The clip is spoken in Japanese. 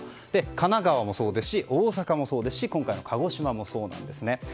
神奈川もそうですし大阪もそうですし今回の鹿児島もそうなんです。